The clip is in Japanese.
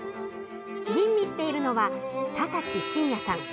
吟味しているのは、田崎真也さん。